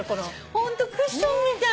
ホントクッションみたい。